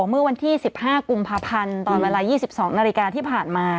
เมื่อวันที่๑๕กุมภาพันธ์ตอนเวลา๒๒นาฬิกาที่ผ่านมา